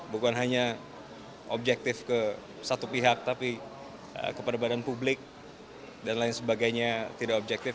bukan hanya objektif ke satu pihak tapi kepada badan publik dan lain sebagainya tidak objektif